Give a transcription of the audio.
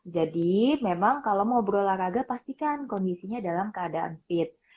jadi memang kalau mau berolahraga pastikan kondisinya dalam keadaan fit